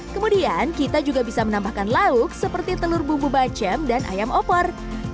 kemudian kita juga bisa menambahkan lauk seperti telur bumbu bacem dan ayam opor